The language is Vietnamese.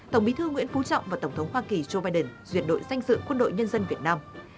tổng bí thư nguyễn phú trọng và tổng thống hoa kỳ joe biden duyệt đội danh dự quân đội nhân dân việt nam